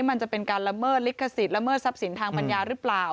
มันจะเป็นการละเมิดลิขสิทธิ์ละเมิดทรัพย์สินทางปัญญาหรือเปล่า